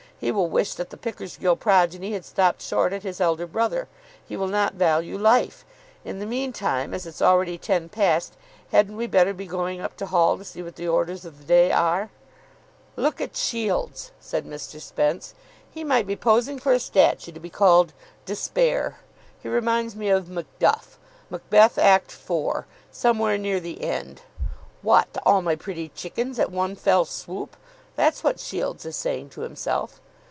He will wish that the Pickersgill progeny had stopped short at his elder brother. He will not value life. In the meantime, as it's already ten past, hadn't we better be going up to Hall to see what the orders of the day are?" "Look at Shields," said Mr. Spence. "He might be posing for a statue to be called 'Despair!' He reminds me of Macduff. Macbeth, Act iv., somewhere near the end. 'What, all my pretty chickens, at one fell swoop?' That's what Shields is saying to himself."